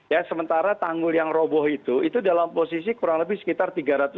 ya sementara tanggul yang roboh itu itu dalam posisi kurang lebih sekitar tiga ratus lima puluh